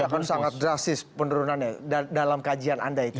akan sangat drastis penurunannya dalam kajian anda itu